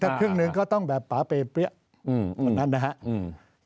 แต่ครึ่งหนึ่งก็ต้องแบบปาเปมเปรี้ยวนั้นนะครับ